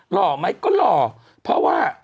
หล่อไหมก็หล่อเพราะว่า